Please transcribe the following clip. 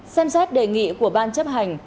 xem xét đề nghị của ban chấp hành